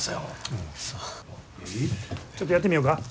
ちょっとやってみよか。